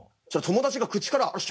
じゃあ友達が口から。